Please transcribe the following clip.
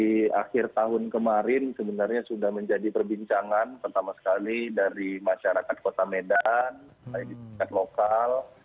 di akhir tahun kemarin sebenarnya sudah menjadi perbincangan pertama sekali dari masyarakat kota medan dari tingkat lokal